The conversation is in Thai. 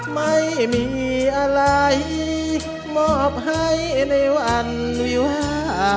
ไม่มีอะไรมอบให้ในวันวิวห้า